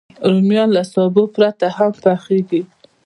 رومیان له سابه پرته هم پخېږي